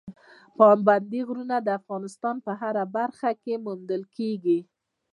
پابندي غرونه د افغانستان په هره برخه کې موندل کېږي.